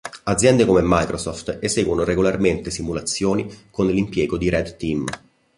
Aziende come Microsoft eseguono regolarmente simulazioni con l'impiego di red team.